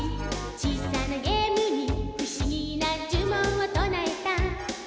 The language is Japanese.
「小さなゲームにふしぎなじゅもんをとなえた」